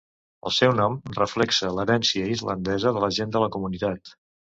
El seu nom reflexa l'herència islandesa de la gent de la comunitat.